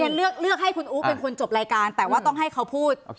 เลือกให้คุณอู๋เป็นคนจบรายการแต่ว่าต้องให้เขาพูด